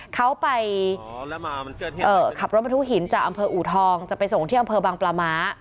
เขาไปขับรถบรรทุกหินจากอำเภออูทองจะไปส่งที่อำเภอบางปลาม้า